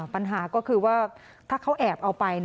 ปัญหาก็คือว่าถ้าเขาแอบเอาไป